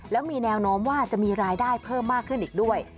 แล้วมีแนวโน้มว่าจะมีรายได้เพิ่มมากขึ้นอีกด้วย